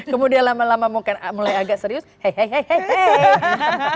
kemudian lama lama mungkin mulai agak serius hey hey hey hey hey